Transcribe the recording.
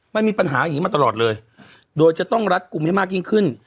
มันมีปัญหาอย่างนี้มาตลอดเลยโดยจะต้องรัดกลุ่มให้มากยิ่งขึ้น